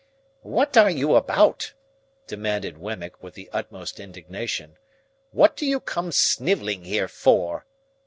"What are you about?" demanded Wemmick, with the utmost indignation. "What do you come snivelling here for?"